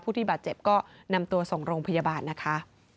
ที่บาดเจ็บก็นำตัวส่งโรงพยาบาลนะคะ